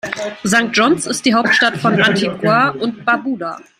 St. John’s ist die Hauptstadt von Antigua und Barbuda.